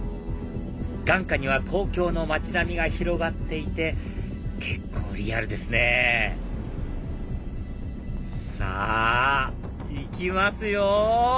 眼下には東京の街並みが広がっていて結構リアルですねさぁ行きますよ！